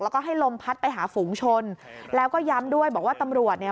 แล้วก็ให้ลมพัดไปหาฝูงชนแล้วก็ย้ำด้วยบอกว่าตำรวจเนี่ย